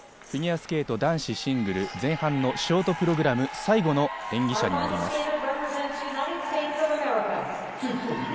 フィギュアスケート男子シングル、前半のショートプログラム、最後の演技者になります。